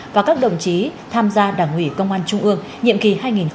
và các đồng chí tham gia đảng ủy công an trung ương nhiệm kỳ hai nghìn hai mươi hai nghìn hai mươi năm